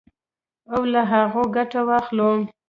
او له هغو ګټه واخلو.